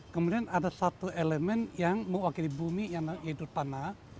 kemudian ada satu elemen yang mewakili bumi yaitu tanah